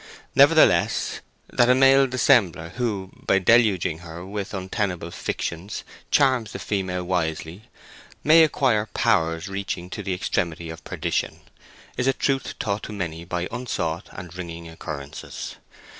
Nevertheless, that a male dissembler who by deluging her with untenable fictions charms the female wisely, may acquire powers reaching to the extremity of perdition, is a truth taught to many by unsought and wringing occurrences.